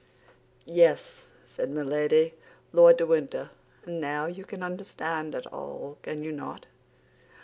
"Yes," said Milady, "Lord de Winter; and now you can understand it all, can you not?